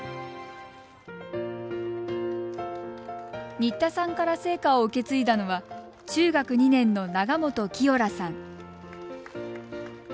新田さんから聖火を受け継いだのは中学２年の永本聖空さん。